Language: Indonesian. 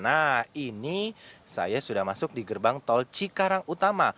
nah ini saya sudah masuk di gerbang tol cikarang utama